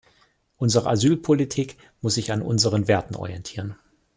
Unsere Asylpolitik muss sich an unseren Werten orientieren.